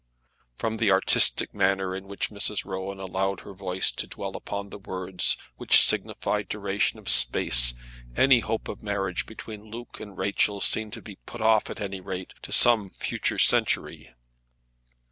From the artistic manner in which Mrs. Rowan allowed her voice to dwell upon the words which signified duration of space, any hope of a marriage between Luke and Rachel seemed to be put off at any rate to some future century.